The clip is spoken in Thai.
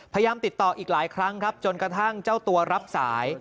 พยายามติดต่ออีกหลายครั้งครับจนกระทั่งเจ้าตัวรับสาย